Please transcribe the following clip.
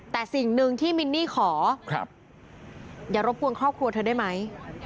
แต่สิ่งหนึ่งที่มินนี่ขออย่ารบกวนครอบครัวเธอได้ไหม